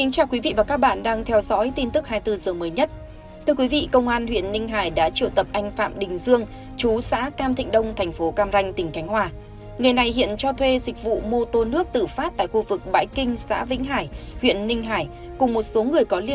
các bạn hãy đăng ký kênh để ủng hộ kênh của chúng mình nhé